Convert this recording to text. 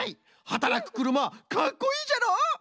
はたらくくるまかっこいいじゃろ？